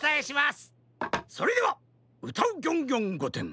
それでは「うたうギョンギョンごてん」